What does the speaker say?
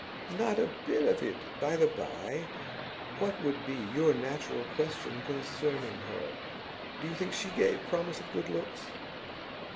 'Not a bit of it! By the bye, what would be your natural question concerning her? Do you think she gave promise of good looks?